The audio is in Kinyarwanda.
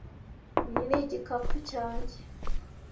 Iyi ni igikapu cyanjye.